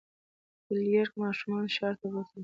فلیریک ماشومان ښار ته بوتلل.